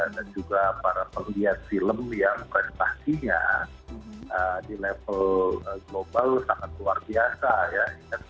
dan juga para pembelian film yang berhasilnya di level global sangat luar biasa ya